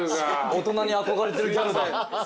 大人に憧れてるギャルだ。